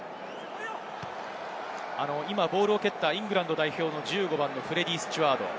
ボールを受けたイングランド代表の１５番のフレディー・スチュワード。